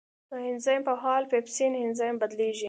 دا انزایم په فعال پیپسین انزایم بدلېږي.